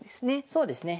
そうですね。